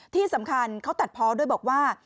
ที่สำคัญเขาตัดเพาะด้วยบอกว่า